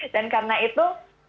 dan karena itu